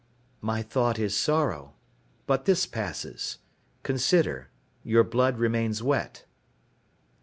"My thought is sorrow. But this passes. Consider: your blood remains wet."